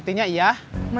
tidak ada apa apa